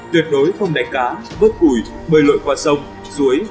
tuyệt đối không đánh cá vớt củi bơi lội qua sông suối